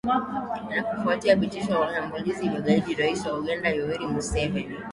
na kufuatia vitisho vya mashambulizi ya kigaidi rais wa uganda yoweri museveni